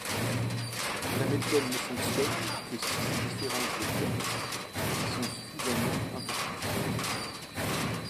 La méthode ne fonctionne que si ces différences de cotes sont suffisamment importantes.